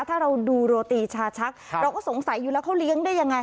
ถ้าเราดูโรตีชาชักเราก็สงสัยอยู่แล้วเขาเลี้ยงได้ยังไง